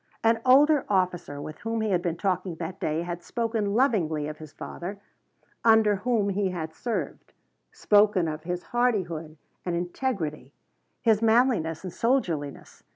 An older officer with whom he had been talking that day had spoken lovingly of his father, under whom he had served; spoken of his hardihood and integrity, his manliness and soldierliness.